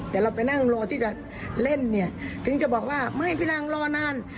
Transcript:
แต่เราไปนั่งรอที่จะเล่นเนี่ยถึงจะบอกว่าไม่ไปนั่งรอนาน